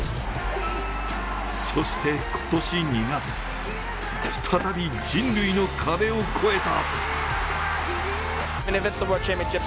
そして今年２月、再び人類の壁を超えた。